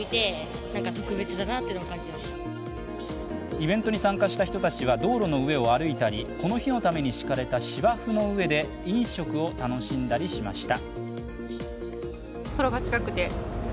イベントに参加した人たちは道路の上を歩いたりこの日のために敷かれた芝生の上で飲食を楽しんだりしました。